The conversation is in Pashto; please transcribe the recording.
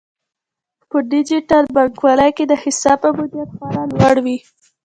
په ډیجیټل بانکوالۍ کې د حساب امنیت خورا لوړ وي.